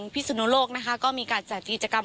สุนโลกนะคะก็มีการจัดกิจกรรม